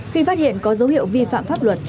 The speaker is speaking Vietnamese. khi phát hiện có dấu hiệu vi phạm pháp luật